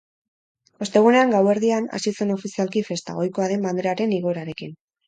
Ostegunean, gauerdian, hasi zen ofizialki festa, ohikoa den banderaren igoerarekin.